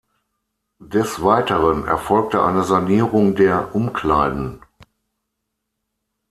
Des Weiteren erfolgte eine Sanierung der Umkleiden.